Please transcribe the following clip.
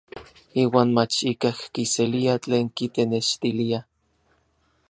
Iuan mach ikaj kiselia tlen kitenextilia.